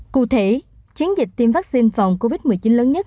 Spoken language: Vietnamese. cụ thể chiến dịch tiêm vaccine phòng covid một mươi chín lớn nhất